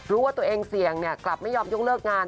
รู้ว่าตัวเองเสี่ยงกลับไม่ยอมยกเลิกงาน